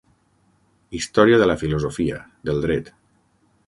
Història de la filosofia, del dret.